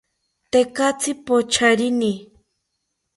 Tekatzi pocharini